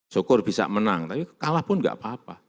syokor bisa menang tapi kalah pun enggak apa apa